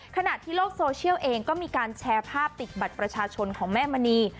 ขณะที่โลกโซเชียลเองก็มีการแชร์ภาพติดบัตรประชาชนของแม่มณี